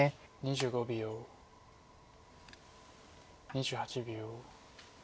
２８秒。